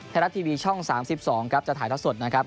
แทนรับทีวีช่อง๓๒จะถ่ายทักสดนะครับ